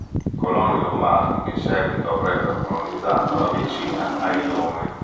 Coloni lombardi che in seguito avrebbero colonizzato la vicina Aidone.